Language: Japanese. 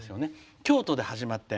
京都で始まって。